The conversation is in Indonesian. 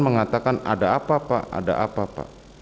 mengatakan ada apa pak ada apa pak